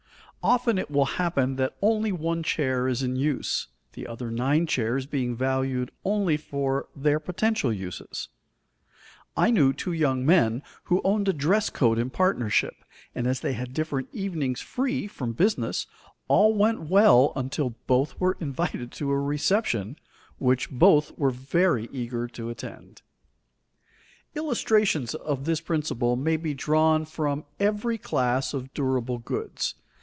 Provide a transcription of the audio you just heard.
Often it will happen that only one chair is in use, the other nine chairs being valued only for their potential uses. I knew two young men who owned a dress coat in partnership, and as they had different evenings free from business all went well until both were invited to a reception which both were very eager to attend. [Sidenote: This is true of all classes of agents] Illustrations of this principle may be drawn from every class of durable goods.